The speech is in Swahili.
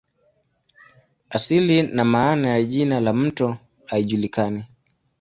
Asili na maana ya jina la mto haijulikani.